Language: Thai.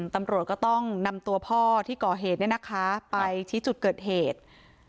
ตำรวจก็ต้องนำตัวพ่อที่ก่อเหตุไปชี้จุดเกิดเหตุ